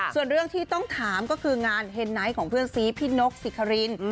ส่วนเรื่องที่ต้องถามก็คืองานเฮนไนท์ของเพื่อนซีพี่นกสิคริน